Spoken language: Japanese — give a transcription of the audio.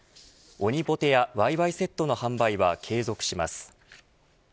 オニポテやわいわいセットの販売は継続します。